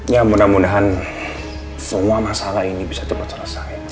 ya mudah mudahan semua masalah ini bisa terus selesai